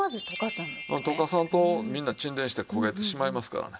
うん溶かさんとみんな沈殿して焦げてしまいますからね。